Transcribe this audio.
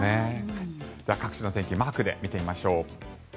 各地の天気マークで見てみましょう。